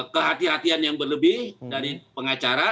kehatian kehatian yang berlebih dari pengacara